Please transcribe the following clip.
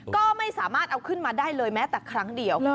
ก็ไม่สามารถเอาขึ้นมาได้เลยแม้แต่ครั้งเดียว